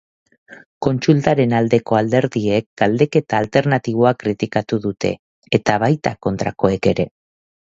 Kontsultaren aldeko alderdiek galdeketa alternatiboa kritikatu dute, eta baita kontrakoek ere.